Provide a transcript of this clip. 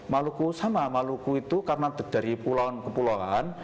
maluku sama maluku itu karena dari pulauan ke pulauan